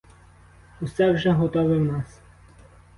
Усе вже готове в нас.